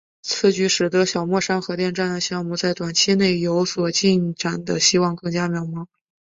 此举使得小墨山核电站项目在短期内有所进展的希望更加渺茫。